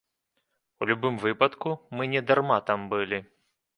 Але ў любым выпадку, мы не дарма там былі.